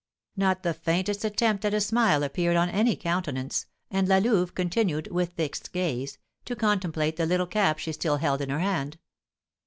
Not the faintest attempt at a smile appeared on any countenance, and La Louve continued, with fixed gaze, to contemplate the little cap she still held in her hand.